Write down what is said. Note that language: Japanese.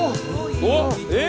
おっえっ？